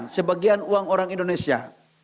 sebagian uang orang indonesia